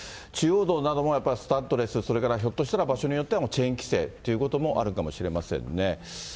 中央道などもやっぱりスタッドレス、それからひょっとしたら、場所によったら、チェーン規制ということもあるかもしれませんね。